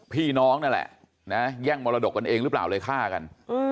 พี่น้องนั่นแหละนะแย่งมรดกกันเองหรือเปล่าเลยฆ่ากัน